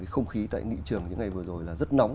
không khí tại nghị trường những ngày vừa rồi là rất nóng